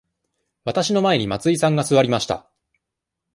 わたしの前に松井さんが座りました。